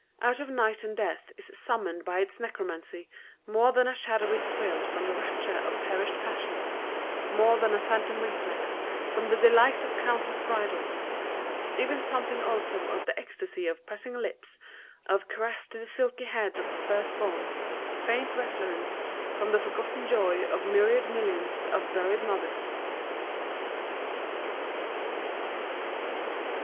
Out of night and death is summoned by its necromancy more than a shadowy thrill from the rapture of perished passion, more than a phantom reflex from the delight of countless bridals; even something also of the ecstasy of pressing lips of caress to the silky head of the first born, faint refluence from the forgotten joy of myriad millions of buried mothers.